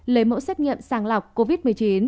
lấy mẫu xét nghiệm sàng lọc covid một mươi chín